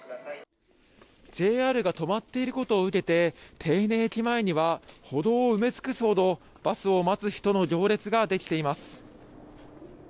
ＪＲが止まっていることを受けて手稲駅前には歩道を埋め尽くすほどバスを待つ人の行列ができています。